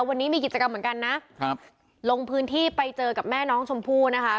วันนี้มีกิจกรรมเหมือนกันนะครับลงพื้นที่ไปเจอกับแม่น้องชมพู่นะคะ